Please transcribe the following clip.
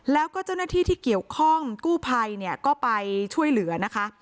แล้วก็เจ้าหน้าที่ที่เกี่ยวข้องกู้ภัยเนี่ยก็ไปช่วยเหลือนะคะ